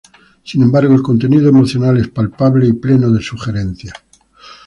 Sin embargo, el contenido emocional es palpable y pleno de sugerencias.